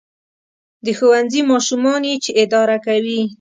• د ښوونځي ماشومان یې چې اداره کوي.